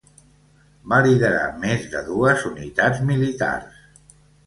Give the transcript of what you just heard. Va liderar més de dues unitats militars.